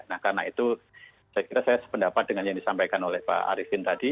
nah karena itu saya kira saya sependapat dengan yang disampaikan oleh pak arifin tadi